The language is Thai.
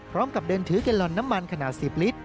พร้อมกับเดินถือแกลลอนน้ำมันขนาด๑๐ลิตร